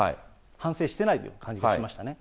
反省してないという感じがしましたね。